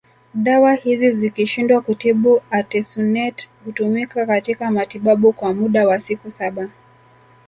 Dawa hizi zikishindwa kutibu Artesunate hutumika katika matibabu kwa muda wa siku saba